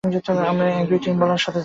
আমরা এক দুই তিন বলার সাথে যাব।